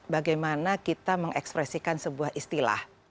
bagaimana kita mengekspresikan sebuah istilah